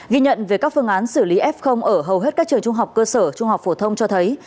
ghi nhận về các phương án xử lý f ở hầu hết các trường trung học cơ sở trung học phổ thông cho thấy